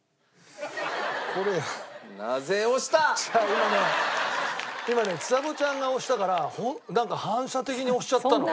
今ね今ねちさ子ちゃんが押したからなんか反射的に押しちゃったの。